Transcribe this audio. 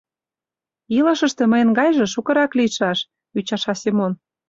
— Илышыште мыйын гайже шукырак лийшаш! — ӱчаша Семон.